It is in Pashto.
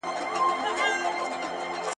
زه کولای سم ليکلي پاڼي ترتيب کړم؟